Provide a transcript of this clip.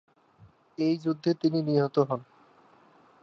এই যুদ্ধে তিনি নিহত হন।